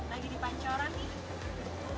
lagi di pancoran nih